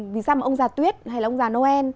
vì sao mà ông già tuyết hay là ông già noel